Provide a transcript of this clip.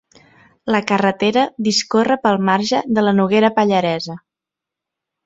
La carretera discorre pel marge de la Noguera Pallaresa.